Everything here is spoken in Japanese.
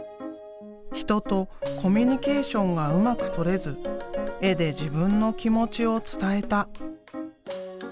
人とコミュニケーションがうまくとれず絵で自分の気持ちを伝えた。